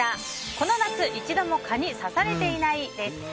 この夏一度も蚊に刺されていないです。